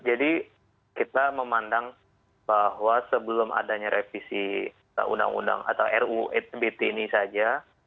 jadi kita memandang bahwa sebelum adanya revisi undang undang atau ruhbt ini saja